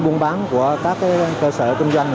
buôn bán của các cơ sở kinh doanh